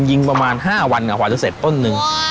ยิงประมาณ๕วันกว่าจะเสร็จต้นหนึ่ง